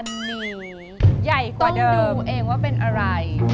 อันนี้ใหญ่กว่าเดิมต้องดูเองว่าเป็นอะไร